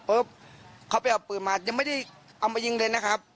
เขาไปเอาปืนมายังไม่ได้เอามายิงเลยนะครับ